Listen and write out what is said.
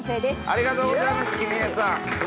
ありがとうございます公枝さん。